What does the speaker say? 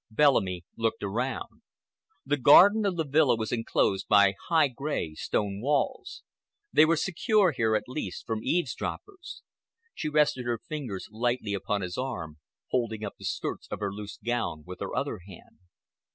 Bellamy looked around. The garden of the villa was enclosed by high gray stone walls. They were secure here, at least, from eavesdroppers. She rested her fingers lightly upon his arm, holding up the skirts of her loose gown with her other hand.